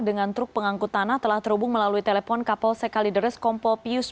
dengan truk pengangkut tanah telah terhubung melalui telepon kapol sekaligus kompo pius